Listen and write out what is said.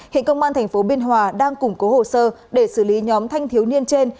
hiện công an tp biên hòa đang củng cố hồ sơ để xử lý nhóm thanh thiếu niên trên